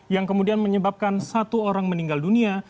yang kemudian menyebabkan satu orang meninggal dunia